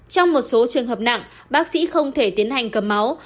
trong một số trường hợp nặng bác sĩ không thể tiến hành cầm máu